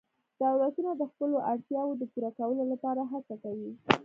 دولتونه د خپلو اړتیاوو د پوره کولو لپاره هڅه کوي